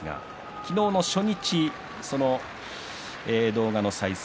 昨日の初日、動画の再生